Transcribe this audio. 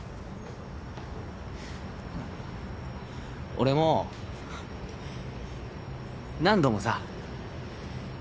俺も何度もさ